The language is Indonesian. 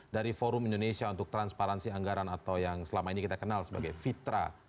dari forum indonesia untuk transparansi anggaran atau yang selama ini kita kenal sebagai fitra